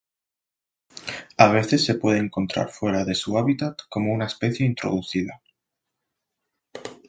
A veces se puede encontrar fuera de su hábitat como una especie introducida.